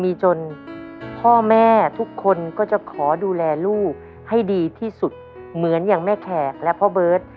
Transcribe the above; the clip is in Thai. ที่จะขอดูแลลูกให้ดีที่สุดเหมือนอย่างแม่แขกและพ่อเบิร์ต